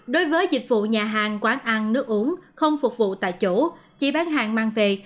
đối với dịch vụ nhà hàng quán ăn nước uống không phục vụ tại chỗ chỉ bán hàng mang về